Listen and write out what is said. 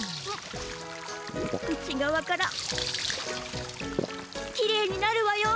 内がわからきれいになるわよ。